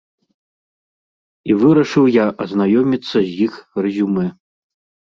І вырашыў я азнаёміцца з іх рэзюмэ.